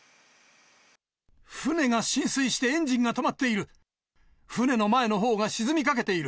船が浸水してエンジンが止まっている。